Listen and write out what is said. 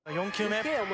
４球目。